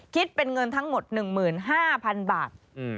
คิดเป็นเงินทั้งหมด๑๕๐๐๐บาท